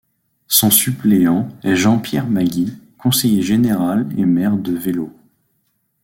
Son suppléant est Jean-Pierre Maggi, conseiller général et maire de Velaux.